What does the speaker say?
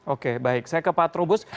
oke baik saya ke pak trubus